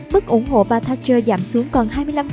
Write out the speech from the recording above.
mức ủng hộ bà thatcher giảm xuống còn hai mươi năm